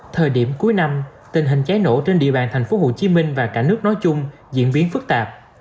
thời điểm cuối năm tình hình cháy nổ trên địa bàn tp hcm và cả nước nói chung diễn biến phức tạp